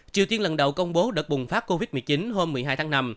triều tiên lần đầu công bố đợt bùng phát covid một mươi chín hôm một mươi hai tháng năm